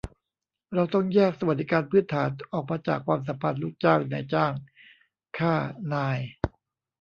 เราต้องแยกสวัสดิการพื้นฐาน ออกมาจากความสัมพันธ์ลูกจ้าง-นายจ้าง ข้า-นาย